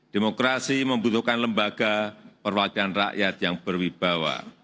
demokrasi membutuhkan lembaga perwakilan rakyat yang berwibawa